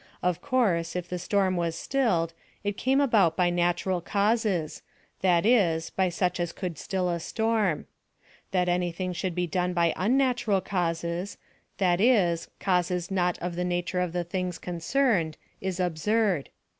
Of course, if the storm was stilled, it came about by natural causes that is, by such as could still a storm. That anything should be done by unnatural causes, that is, causes not of the nature of the things concerned, is absurd.